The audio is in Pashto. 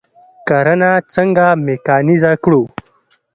کرنه څنګه میکانیزه کړو؟